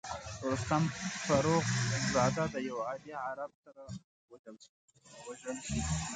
رستم فرخ زاد د یوه عادي عرب سره وژل شي.